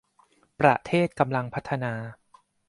ประเทศกำลังพัฒนา